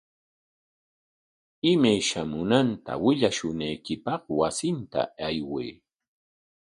Imay shamunanta willashunaykipaq wasinta ayway.